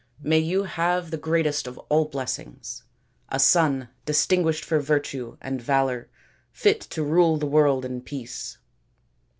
May you have the greatest of all blessings, a son distinguished for virtue and valour, fit to rule the world in peace.